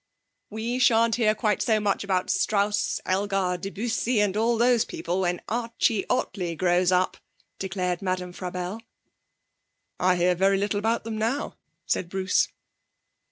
'We shan't hear quite so much about Strauss, Elgar, Debussy and all those people when Archie Ottley grows up,' declared Madame Frabelle. 'I hear very little about them now,' said Bruce.